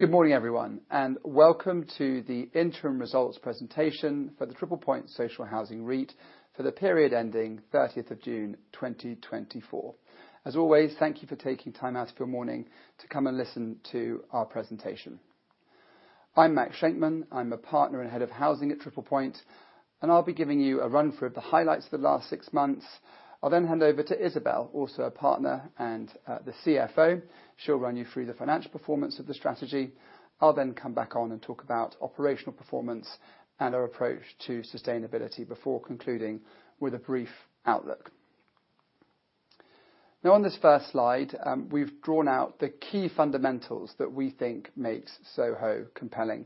Good morning, everyone, and welcome to the interim results presentation for the Triple Point Social Housing REIT for the period ending thirtieth of June, twenty twenty-four. As always, thank you for taking time out of your morning to come and listen to our presentation. I'm Max Shenkman. I'm a partner and head of housing at Triple Point, and I'll be giving you a run through of the highlights of the last six months. I'll then hand over to Isabelle, also a partner and the CFO. She'll run you through the financial performance of the strategy. I'll then come back on and talk about operational performance and our approach to sustainability before concluding with a brief outlook. Now, on this first slide, we've drawn out the key fundamentals that we think makes Soho compelling.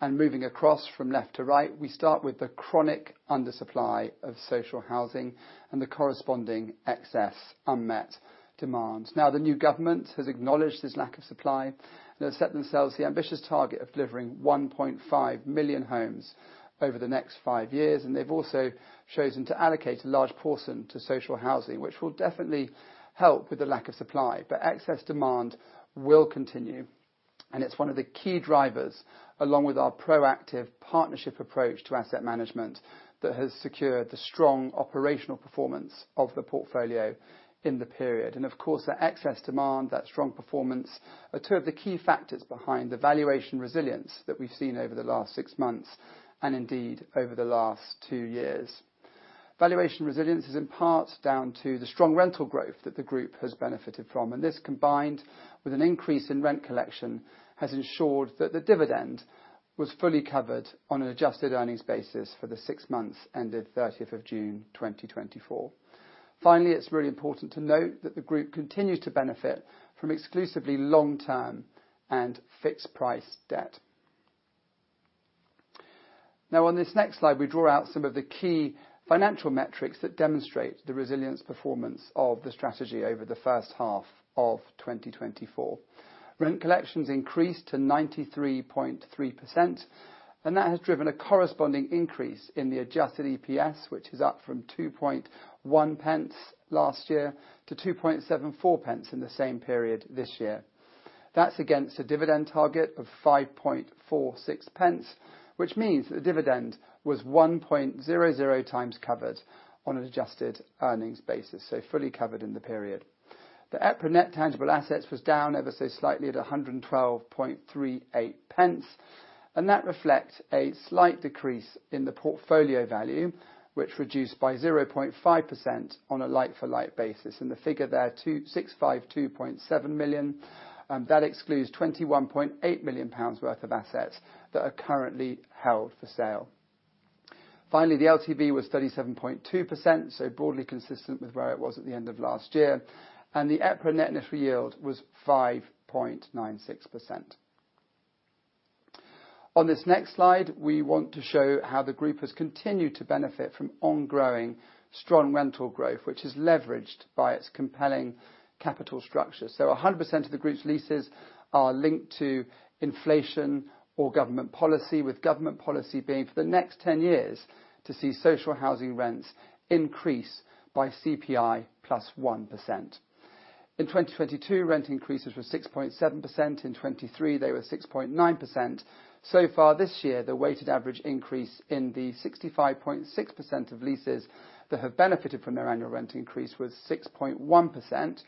Moving across from left to right, we start with the chronic undersupply of social housing and the corresponding excess unmet demand. Now, the new government has acknowledged this lack of supply, and they've set themselves the ambitious target of delivering 1.5 million homes over the next five years, and they've also chosen to allocate a large portion to social housing, which will definitely help with the lack of supply. Excess demand will continue, and it's one of the key drivers, along with our proactive partnership approach to asset management, that has secured the strong operational performance of the portfolio in the period. Of course, that excess demand, that strong performance, are two of the key factors behind the valuation resilience that we've seen over the last six months and indeed, over the last two years. Valuation resilience is, in part, down to the strong rental growth that the group has benefited from, and this, combined with an increase in rent collection, has ensured that the dividend was fully covered on an adjusted earnings basis for the six months ended thirtieth of June, twenty twenty-four. Finally, it's really important to note that the group continues to benefit from exclusively long-term and fixed-price debt. Now, on this next slide, we draw out some of the key financial metrics that demonstrate the resilience performance of the strategy over the first half of twenty twenty-four. Rent collections increased to 93.3%, and that has driven a corresponding increase in the adjusted EPS, which is up from 2.1 pence last year to 2.74 pence in the same period this year. That's against a dividend target of 5.46 pence, which means that the dividend was 1.00 times covered on an adjusted earnings basis, so fully covered in the period. The EPRA net tangible assets was down ever so slightly at 112.38 pence, and that reflects a slight decrease in the portfolio value, which reduced by 0.5% on a like-for-like basis, and the figure there, 2,652.7 million, that excludes 21.8 million pounds worth of assets that are currently held for sale. Finally, the LTV was 37.2%, so broadly consistent with where it was at the end of last year, and the EPRA net initial yield was 5.96%. On this next slide, we want to show how the group has continued to benefit from ongoing strong rental growth, which is leveraged by its compelling capital structure. So 100% of the group's leases are linked to inflation or government policy, with government policy being, for the next 10 years, to see social housing rents increase by CPI plus 1%. In 2022, rent increases were 6.7%. In 2023, they were 6.9%. So far this year, the weighted average increase in the 65.6% of leases that have benefited from their annual rent increase was 6.1%.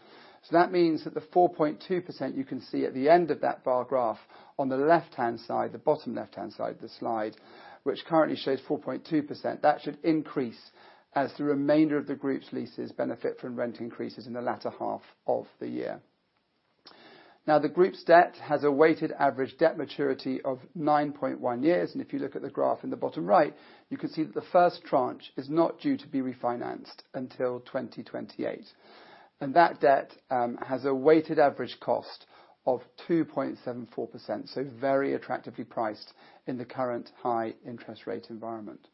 So that means that the 4.2% you can see at the end of that bar graph on the left-hand side, the bottom left-hand side of the slide, which currently shows 4.2%, that should increase as the remainder of the group's leases benefit from rent increases in the latter half of the year. Now, the group's debt has a weighted average debt maturity of 9.1 years, and if you look at the graph in the bottom right, you can see that the first tranche is not due to be refinanced until 2028, and that debt has a weighted average cost of 2.74%, so very attractively priced in the current high interest rate environment.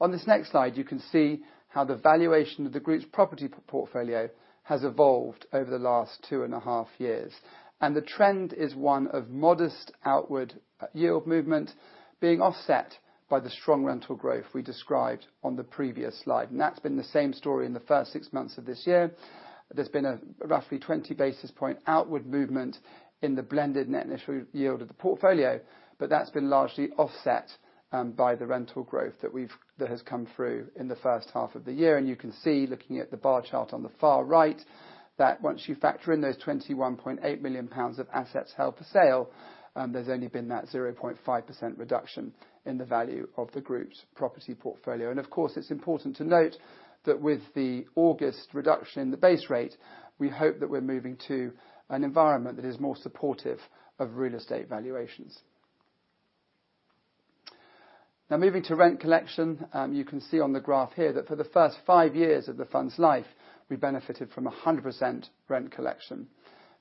On this next slide, you can see how the valuation of the group's property portfolio has evolved over the last two and a half years, and the trend is one of modest outward yield movement being offset by the strong rental growth we described on the previous slide, and that's been the same story in the first six months of this year. There's been a roughly 20 basis point outward movement in the blended net initial yield of the portfolio, but that's been largely offset by the rental growth that has come through in the first half of the year. You can see, looking at the bar chart on the far right, that once you factor in those 21.8 million pounds of assets held for sale, there's only been that 0.5% reduction in the value of the group's property portfolio. Of course, it's important to note that with the August reduction in the base rate, we hope that we're moving to an environment that is more supportive of real estate valuations. Now, moving to rent collection, you can see on the graph here that for the first five years of the fund's life, we benefited from 100% rent collection.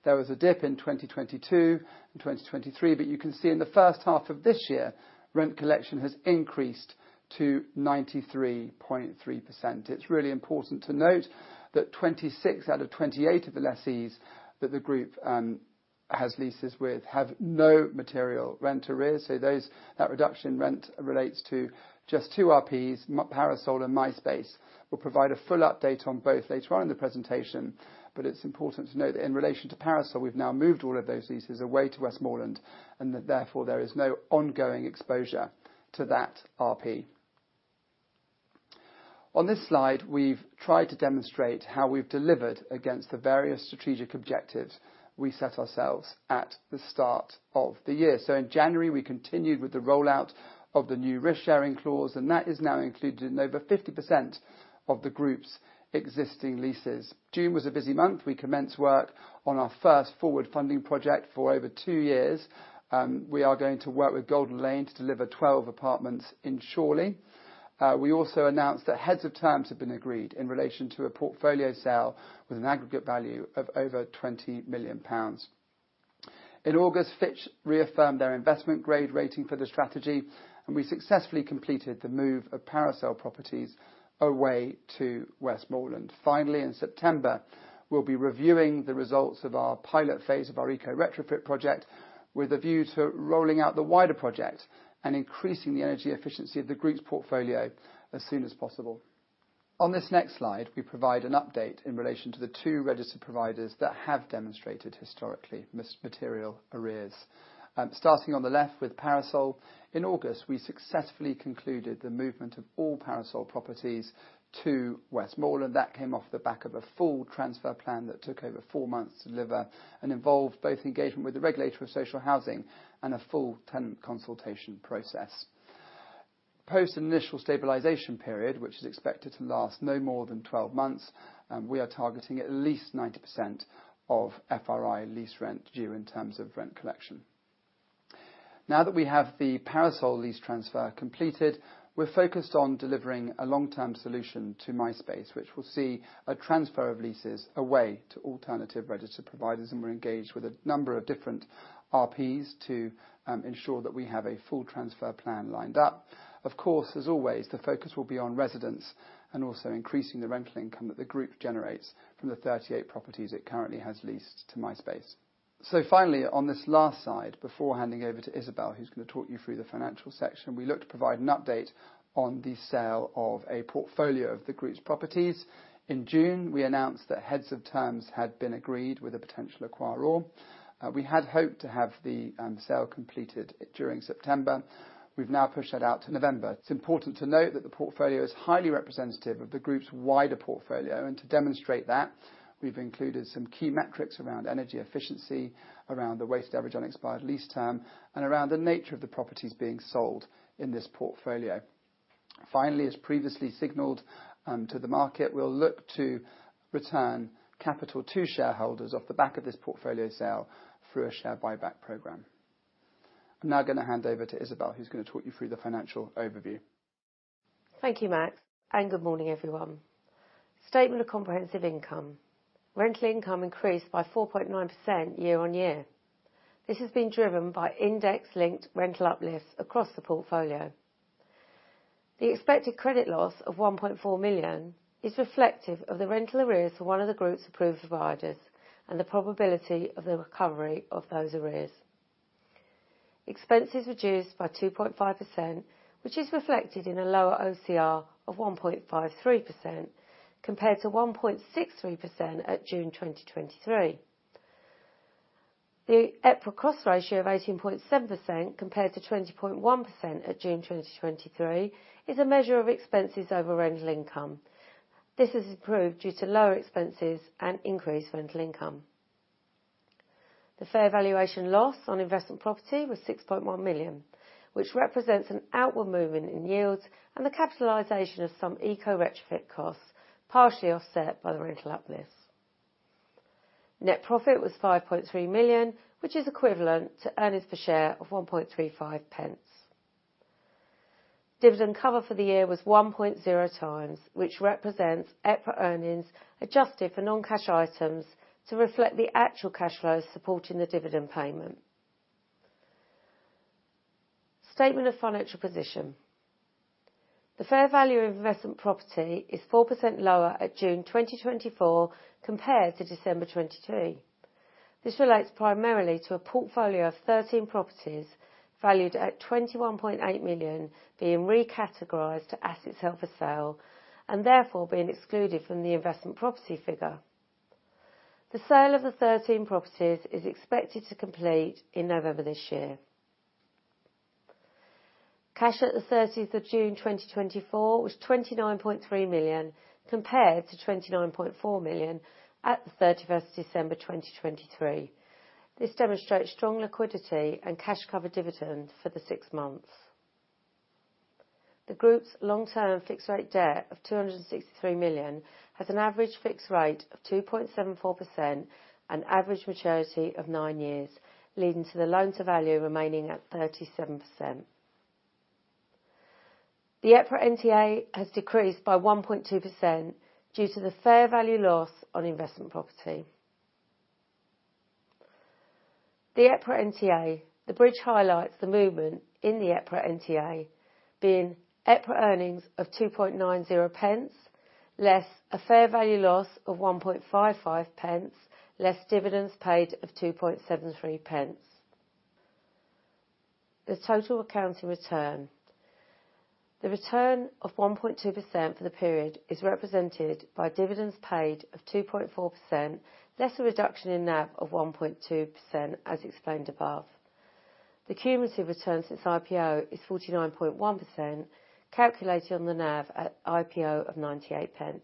There was a dip in 2022 and 2023, but you can see in the first half of this year, rent collection has increased to 93.3%. It's really important to note that 26 out of 28 of the lessees that the group has leases with have no material rent arrears, so that reduction in rent relates to just two RPs, Parasol and My Space. We'll provide a full update on both later on in the presentation, but it's important to note that in relation to Parasol, we've now moved all of those leases away to Westmorland, and that therefore, there is no ongoing exposure to that RP. On this slide, we've tried to demonstrate how we've delivered against the various strategic objectives we set ourselves at the start of the year. So in January, we continued with the rollout of the new risk-sharing clause, and that is now included in over 50% of the group's existing leases. June was a busy month. We commenced work on our first forward funding project for over two years, and we are going to work with Golden Lane to deliver 12 apartments in Chorley. We also announced that heads of terms have been agreed in relation to a portfolio sale with an aggregate value of over 20 million pounds. In August, Fitch reaffirmed their investment grade rating for the strategy, and we successfully completed the move of Parasol Properties away to Westmorland. Finally, in September, we'll be reviewing the results of our pilot phase of our eco retrofit project, with a view to rolling out the wider project and increasing the energy efficiency of the group's portfolio as soon as possible. On this next slide, we provide an update in relation to the two registered providers that have demonstrated historically material arrears. Starting on the left with Parasol, in August, we successfully concluded the movement of all Parasol properties to Westmorland. That came off the back of a full transfer plan that took over four months to deliver and involved both engagement with the Regulator of Social Housing and a full tenant consultation process. Post initial stabilization period, which is expected to last no more than 12 months, we are targeting at least 90% of FRI lease rent due in terms of rent collection. Now that we have the Parasol lease transfer completed, we're focused on delivering a long-term solution to My Space, which will see a transfer of leases away to alternative registered providers, and we're engaged with a number of different RPs to ensure that we have a full transfer plan lined up. Of course, as always, the focus will be on residents and also increasing the rental income that the group generates from the thirty-eight properties it currently has leased to My Space. So finally, on this last slide, before handing over to Isabelle, who's going to talk you through the financial section, we look to provide an update on the sale of a portfolio of the group's properties. In June, we announced that heads of terms had been agreed with a potential acquirer. We had hoped to have the sale completed during September. We've now pushed that out to November. It's important to note that the portfolio is highly representative of the group's wider portfolio, and to demonstrate that, we've included some key metrics around energy efficiency, around the waste average unexpired lease term, and around the nature of the properties being sold in this portfolio. Finally, as previously signaled, to the market, we'll look to return capital to shareholders off the back of this portfolio sale through a share buyback program. I'm now going to hand over to Isabelle, who's going to talk you through the financial overview. Thank you, Max, and good morning, everyone. Statement of comprehensive income. Rental income increased by 4.9% year on year. This has been driven by index-linked rental uplifts across the portfolio. The expected credit loss of 1.4 million is reflective of the rental arrears for one of the group's approved providers and the probability of the recovery of those arrears. Expenses reduced by 2.5%, which is reflected in a lower OCR of 1.53%, compared to 1.63% at June 2023. The EPRA cost ratio of 18.7%, compared to 20.1% at June 2023, is a measure of expenses over rental income. This has improved due to lower expenses and increased rental income. The fair valuation loss on investment property was 6.1 million, which represents an outward movement in yields and the capitalization of some eco retrofit costs, partially offset by the rental uplifts. Net profit was 5.3 million, which is equivalent to earnings per share of 1.35 pence. Dividend cover for the year was 1.0 times, which represents EPRA earnings, adjusted for non-cash items, to reflect the actual cash flows supporting the dividend payment. Statement of financial position. The fair value of investment property is 4% lower at June 2024 compared to December 2022. This relates primarily to a portfolio of 13 properties, valued at 21.8 million, being recategorized to assets held for sale and therefore being excluded from the investment property figure. The sale of the 13 properties is expected to complete in November this year. Cash at the 30th of June 2024 was 29.3 million, compared to 29.4 million at the 31st of December 2023. This demonstrates strong liquidity and cash cover dividend for the six months. The group's long-term fixed rate debt of 263 million has an average fixed rate of 2.74% and average maturity of nine years, leading to the loan-to-value remaining at 37%. The EPRA NTA has decreased by 1.2% due to the fair value loss on investment property. The EPRA NTA bridge highlights the movement in the EPRA NTA, being EPRA earnings of 2.90 pence, less a fair value loss of 1.55 pence, less dividends paid of 2.73 pence. The total accounting return. The return of 1.2% for the period is represented by dividends paid of 2.4%, less a reduction in NAV of 1.2%, as explained above. The cumulative return since IPO is 49.1%, calculated on the NAV at IPO of 98 pence.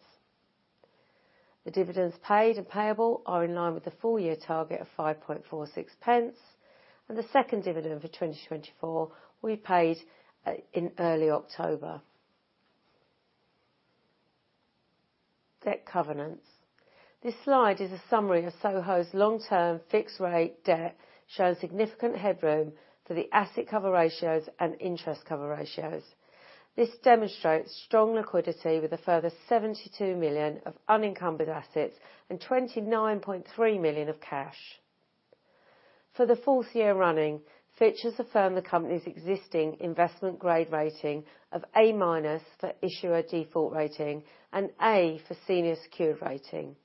The dividends paid and payable are in line with the full year target of 5.46 pence, and the second dividend for 2024 will be paid in early October. Debt covenants. This slide is a summary of Soho's long-term fixed rate debt, showing significant headroom for the asset cover ratios and interest cover ratios. This demonstrates strong liquidity with a further 72 million of unencumbered assets and 29.3 million of cash. For the fourth year running, Fitch has affirmed the company's existing investment grade rating of A minus for issuer default rating and A for senior secured rating.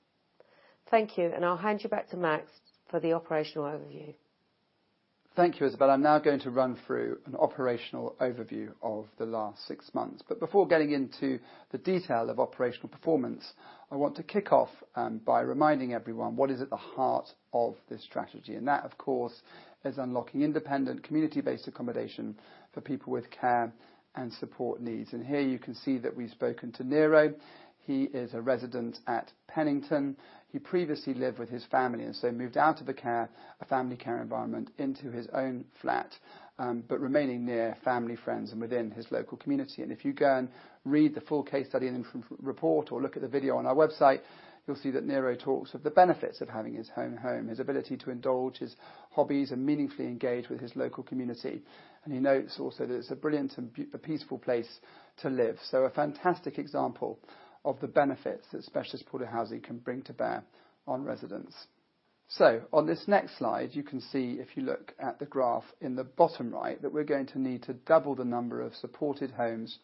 Thank you, and I'll hand you back to Max for the operational overview. Thank you, Isabelle. I'm now going to run through an operational overview of the last six months. But before getting into the detail of operational performance, I want to kick off by reminding everyone what is at the heart of this strategy, and that, of course, is unlocking independent, community-based accommodation for people with care and support needs. And here you can see that we've spoken to Nero. He is a resident at Pennington. He previously lived with his family, and so moved out of the care, a family care environment, into his own flat, but remaining near family, friends, and within his local community. And if you go and read the full case study and impact report or look at the video on our website, you'll see that Nero talks of the benefits of having his own home, his ability to indulge his hobbies and meaningfully engage with his local community. And he notes also that it's a brilliant and beautiful, a peaceful place to live. So a fantastic example of the benefits that specialist supported housing can bring to bear on residents. So on this next slide, you can see, if you look at the graph in the bottom right, that we're going to need to double the number of supported homes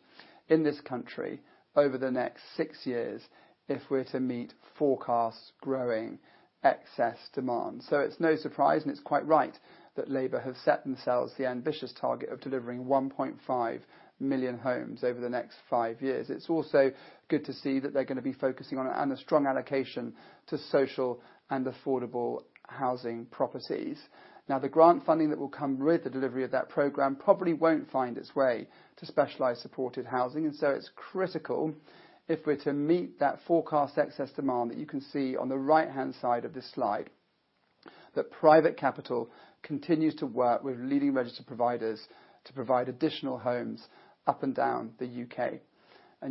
in this country over the next six years if we're to meet forecast growing excess demand. It's no surprise, and it's quite right, that Labour have set themselves the ambitious target of delivering 1.5 million homes over the next five years. It's also good to see that they're gonna be focusing on, and a strong allocation to social and affordable housing properties. Now, the grant funding that will come with the delivery of that program probably won't find its way to specialized supported housing, and so it's critical if we're to meet that forecast excess demand, that you can see on the right-hand side of this slide, that private capital continues to work with leading registered providers to provide additional homes up and down the UK.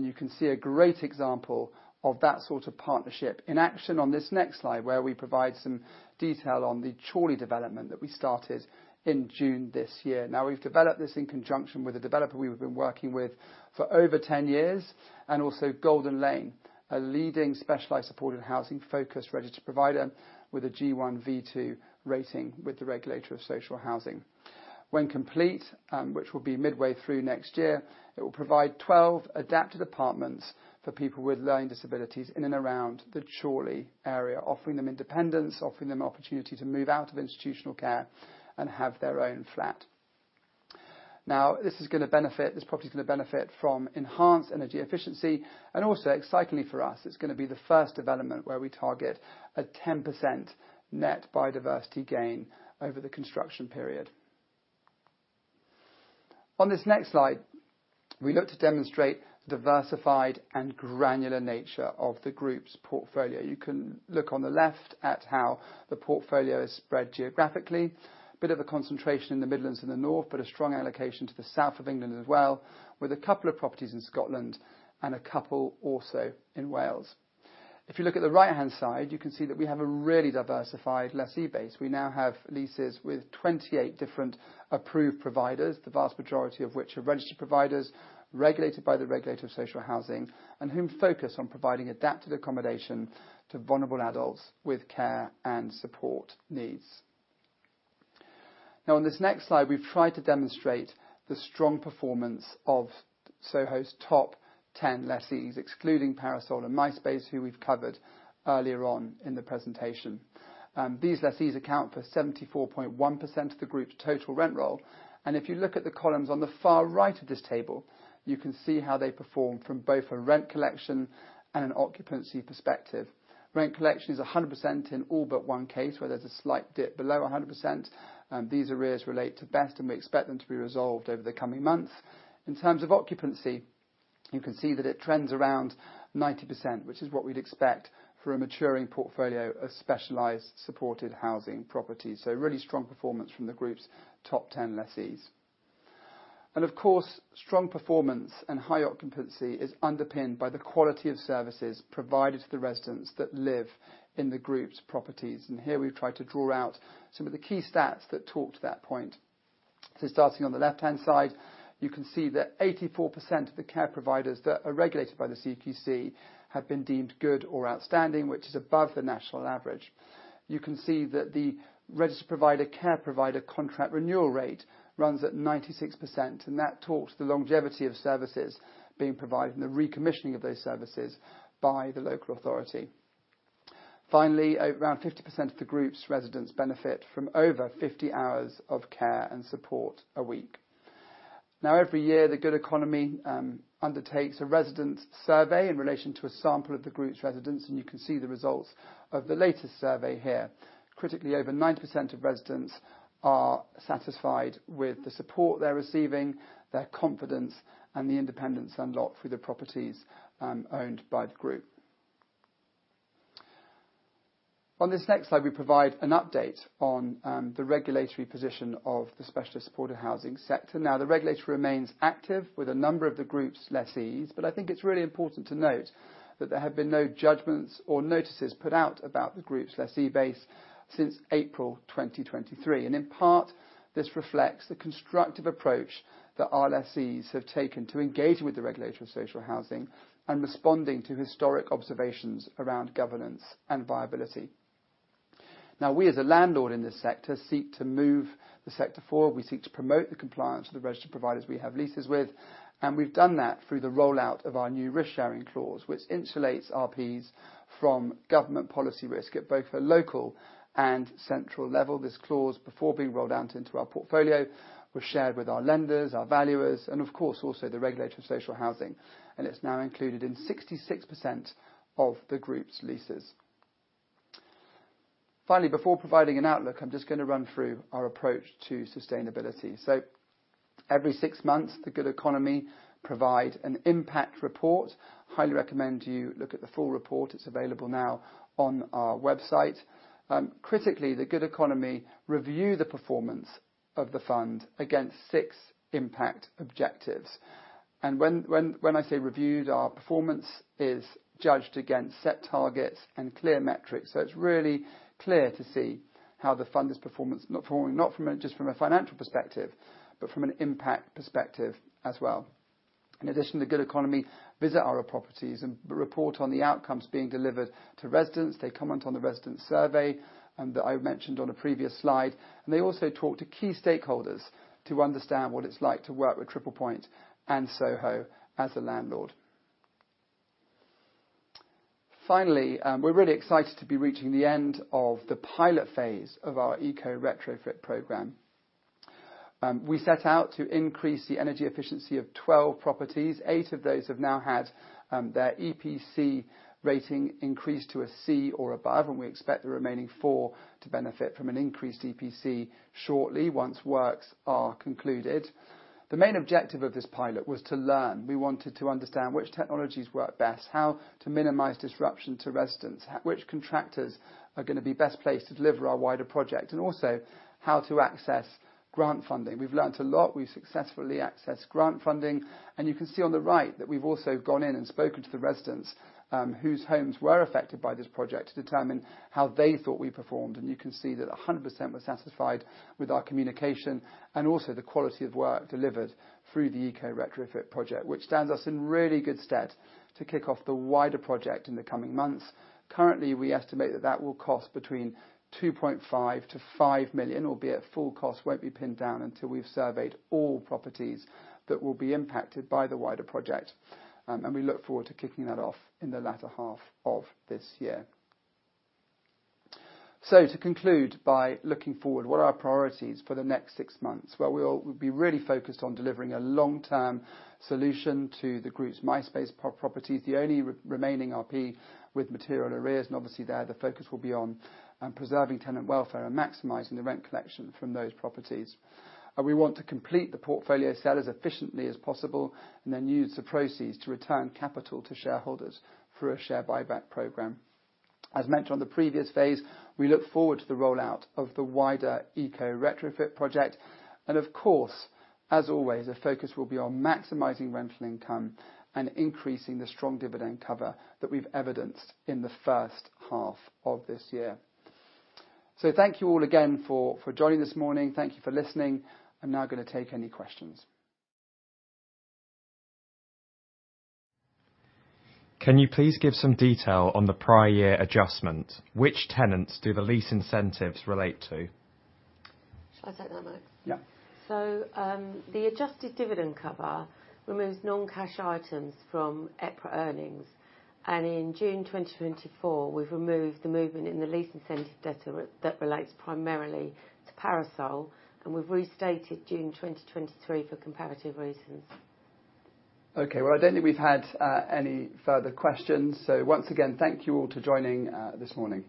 You can see a great example of that sort of partnership in action on this next slide, where we provide some detail on the Chorley development that we started in June this year. Now, we've developed this in conjunction with a developer we've been working with for over 10 years, and also Golden Lane, a leading specialized supported housing focused registered provider with a G1 V2 rating with the regulator of social housing. When complete, which will be midway through next year, it will provide 12 adapted apartments for people with learning disabilities in and around the Chorley area, offering them independence, offering them opportunity to move out of institutional care and have their own flat. Now, this is gonna benefit. This property is gonna benefit from enhanced energy efficiency, and also excitingly for us, it's gonna be the first development where we target a 10% net biodiversity gain over the construction period. On this next slide, we look to demonstrate the diversified and granular nature of the group's portfolio. You can look on the left at how the portfolio is spread geographically. Bit of a concentration in the Midlands and the North, but a strong allocation to the South of England as well, with a couple of properties in Scotland and a couple also in Wales. If you look at the right-hand side, you can see that we have a really diversified lessee base. We now have leases with 28 different approved providers, the vast majority of which are registered providers, regulated by the Regulator of Social Housing, and whom focus on providing adapted accommodation to vulnerable adults with care and support needs. Now, on this next slide, we've tried to demonstrate the strong performance of Soho's top 10 lessees, excluding Parasol and My Space, who we've covered earlier on in the presentation. These lessees account for 74.1% of the group's total rent roll, and if you look at the columns on the far right of this table, you can see how they perform from both a rent collection and an occupancy perspective. Rent collection is 100% in all but one case, where there's a slight dip below 100%, these arrears relate to BeST and we expect them to be resolved over the coming months. In terms of occupancy, you can see that it trends around 90%, which is what we'd expect for a maturing portfolio of specialized supported housing properties, so really strong performance from the group's top 10 lessees, and of course, strong performance and high occupancy is underpinned by the quality of services provided to the residents that live in the group's properties. And here we've tried to draw out some of the key stats that talk to that point. So starting on the left-hand side, you can see that 84% of the care providers that are regulated by the CQC have been deemed good or outstanding, which is above the national average. You can see that the registered provider, care provider contract renewal rate runs at 96%, and that talks to the longevity of services being provided and the recommissioning of those services by the local authority. Finally, around 50% of the group's residents benefit from over 50 hours of care and support a week. Now, every year, The Good Economy undertakes a resident survey in relation to a sample of the group's residents, and you can see the results of the latest survey here. Critically, over 90% of residents are satisfied with the support they're receiving, their confidence, and the independence unlocked through the properties owned by the group. On this next slide, we provide an update on the regulatory position of the specialist supported housing sector. Now, the regulator remains active with a number of the group's lessees, but I think it's really important to note that there have been no judgments or notices put out about the group's lessee base since April 2023, and in part, this reflects the constructive approach that our lessees have taken to engaging with the regulator of social housing and responding to historic observations around governance and viability. Now, we, as a landlord in this sector, seek to move the sector forward. We seek to promote the compliance of the registered providers we have leases with, and we've done that through the rollout of our new risk-sharing clause, which insulates RPs from government policy risk at both a local and central level. This clause, before being rolled out into our portfolio, was shared with our lenders, our valuers, and of course, also the Regulator of Social Housing, and it's now included in 66% of the group's leases. Finally, before providing an outlook, I'm just gonna run through our approach to sustainability. So every six months, The Good Economy provide an impact report. Highly recommend you look at the full report. It's available now on our website. Critically, The Good Economy review the performance of the fund against six impact objectives. When I say reviewed, our performance is judged against set targets and clear metrics, so it's really clear to see how the fund is performing, not just from a financial perspective, but from an impact perspective as well. In addition, The Good Economy visit our properties and report on the outcomes being delivered to residents. They comment on the resident survey, and that I mentioned on a previous slide, and they also talk to key stakeholders to understand what it's like to work with Triple Point and Soho as a landlord. Finally, we're really excited to be reaching the end of the pilot phase of our eco retrofit program. We set out to increase the energy efficiency of 12 properties. Eight of those have now had their EPC rating increased to a C or above, and we expect the remaining four to benefit from an increased EPC shortly, once works are concluded. The main objective of this pilot was to learn. We wanted to understand which technologies work best, how to minimize disruption to residents, which contractors are gonna be best placed to deliver our wider project, and also how to access grant funding. We've learned a lot. We've successfully accessed grant funding, and you can see on the right that we've also gone in and spoken to the residents whose homes were affected by this project, to determine how they thought we performed. You can see that 100% were satisfied with our communication and also the quality of work delivered through the eco retrofit project, which stands us in really good stead to kick off the wider project in the coming months. Currently, we estimate that that will cost between 2.5 million to 5 million, albeit full cost won't be pinned down until we've surveyed all properties that will be impacted by the wider project. We look forward to kicking that off in the latter half of this year. To conclude, by looking forward, what are our priorities for the next six months? We'll be really focused on delivering a long-term solution to the group's My Space properties, the only remaining RP with material arrears, and obviously, there, the focus will be on preserving tenant welfare and maximizing the rent collection from those properties. We want to complete the portfolio sale as efficiently as possible, and then use the proceeds to return capital to shareholders through a share buyback program. As mentioned on the previous phase, we look forward to the rollout of the wider eco retrofit project, and of course, as always, the focus will be on maximizing rental income and increasing the strong dividend cover that we've evidenced in the first half of this year. Thank you all again for joining this morning. Thank you for listening. I'm now gonna take any questions. Can you please give some detail on the prior year adjustment? Which tenants do the lease incentives relate to? Should I take that, Max? Yeah. The adjusted dividend cover removes non-cash items from EPRA earnings, and in June 2024, we've removed the movement in the lease incentive debtor, that relates primarily to Parasol, and we've restated June 2023 for comparative reasons. Okay. I don't think we've had any further questions. Once again, thank you all for joining this morning.